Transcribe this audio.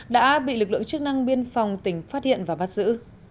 đã bị lực lượng chức năng biên phòng tỉnh phát hiện và bắt giữ